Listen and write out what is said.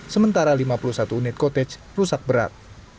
sementara lima puluh satu unit coutage rusak berat